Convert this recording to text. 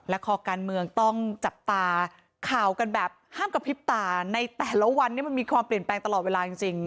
คอการเมืองต้องจับตาข่าวกันแบบห้ามกระพริบตาในแต่ละวันนี้มันมีความเปลี่ยนแปลงตลอดเวลาจริง